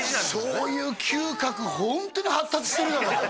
そういう嗅覚ホントに発達してるよね